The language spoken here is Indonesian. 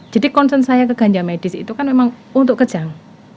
jadi konsen saya ke ganja medis itu kan memang untuk kejang